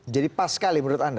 jadi pas sekali menurut anda